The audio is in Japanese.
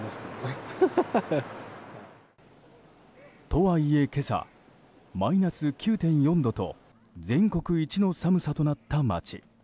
とはいえ、今朝マイナス９．４度と全国一の寒さとなった町。